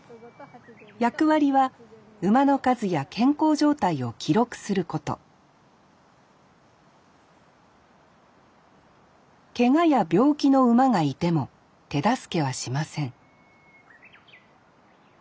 役割は馬の数や健康状態を記録することけがや病気の馬がいても手助けはしません